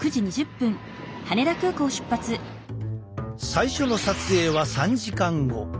最初の撮影は３時間後。